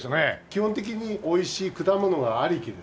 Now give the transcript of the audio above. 基本的に美味しい果物がありきですね。